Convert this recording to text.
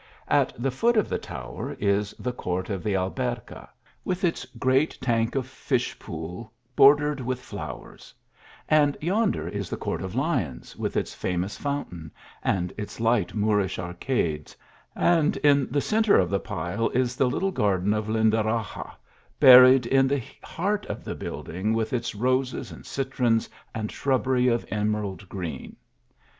At the THE TO WEE OF COMARES. 41 foot of the tower is the Court of the Alberca with its great tank or fish pool bordered with flowers ; and yonder is the Court of Lions, with its famous foun tain, and its light Moorish arcades ; and in the cen rre of the pile is the little garden of Lindaraxa, Buried in the heart of the building", with its roses t jd citrons and shrubbery of emerald green.